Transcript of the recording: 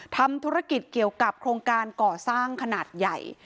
ทำธุรกิจเกี่ยวกับโครงการก่อสร้างขนาดใหญ่